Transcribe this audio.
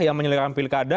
yang menyelenggarkan pilkada